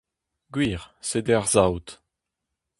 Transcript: Gwir, sede ar saout !